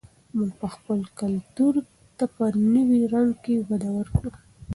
موږ به خپل کلتور ته په نوي رنګ کې وده ورکړو.